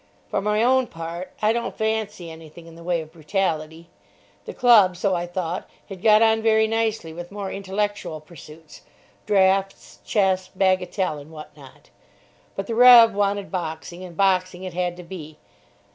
For my own part, I don't fancy anything in the way of brutality. The club, so I thought, had got on very nicely with more intellectual pursuits: draughts, chess, bagatelle, and what not. But the Rev. wanted boxing, and boxing it had to be.